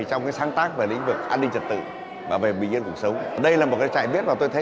trong sáng tác về lĩnh vực an ninh trật tự và về bình yên cuộc sống đây là một trại bếp mà tôi thấy